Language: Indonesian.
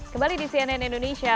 kembali di cnn indonesia